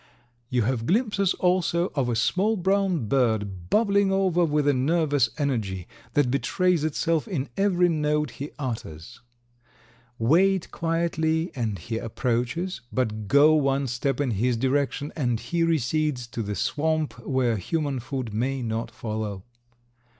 You have glimpses also of a small brown bird bubbling over with a nervous energy that betrays itself in every note he utters. Wait quietly and he approaches, but go one step in his direction and he recedes to the swamp where human foot may not follow.